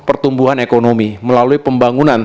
pertumbuhan ekonomi melalui pembangunan